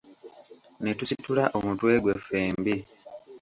Ne tusitula omutwe gwe ffembi.